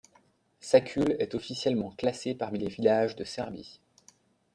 Sakule est officiellement classé parmi les villages de Serbie.